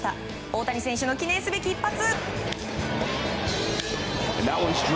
大谷選手の記念すべき一発！